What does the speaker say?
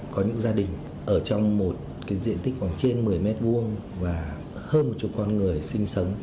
có những gia đình ở trong một cái diện tích khoảng trên một mươi m hai và hơn một chục con người sinh sống